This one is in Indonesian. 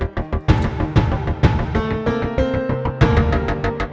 gini tuh tempat kita memang